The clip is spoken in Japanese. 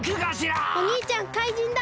おにいちゃん怪人だ！